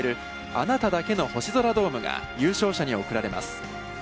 「あなただけの星空ドーム」が優勝者に贈られます。